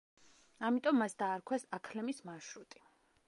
ამიტომ მას დაარქვეს „აქლემის მარშრუტი“.